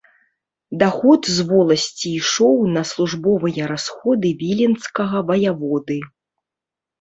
Даход з воласці ішоў на службовыя расходы віленскага ваяводы.